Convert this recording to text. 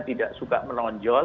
tidak suka menonjol